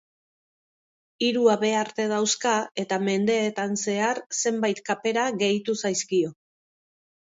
Hiru habearte dauzka eta mendeetan zehar zenbait kapera gehitu zaizkio.